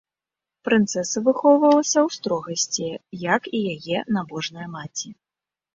Прынцэса выхоўвалася ў строгасці, як і яе набожная маці.